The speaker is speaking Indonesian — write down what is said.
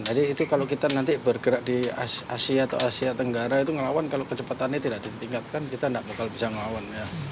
jadi itu kalau kita nanti bergerak di asia atau asia tenggara itu ngelawan kalau kecepatannya tidak ditingkatkan kita gak bakal bisa ngelawan